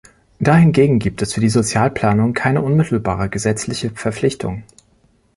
Dahingegen gibt es für die Sozialplanung keine unmittelbare gesetzliche Verpflichtung.